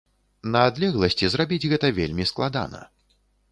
На адлегласці зрабіць гэта вельмі складана.